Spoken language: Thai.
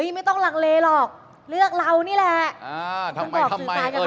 ไม่ต้องลังเลหรอกเลือกเรานี่แหละ